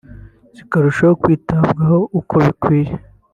zikarushaho kwitabwaho uko bikwiriye